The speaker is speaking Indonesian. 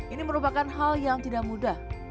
ini merupakan hal yang tidak mudah